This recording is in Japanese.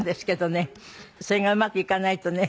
それがうまくいかないとね